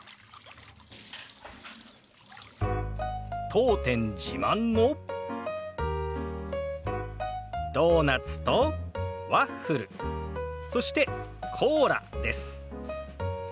当店自慢のドーナツとワッフルそしてコーラです。